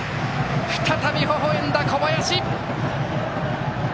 再び微笑んだ小林！